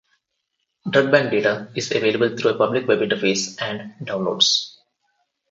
DrugBank data is available through a public web interface and downloads.